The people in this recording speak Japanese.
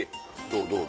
どう？